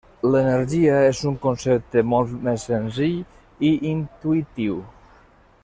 L'energia és un concepte molt més senzill i intuïtiu.